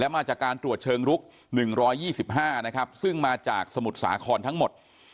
มาจากการตรวจเชิงลุก๑๒๕นะครับซึ่งมาจากสมุทรสาครทั้งหมด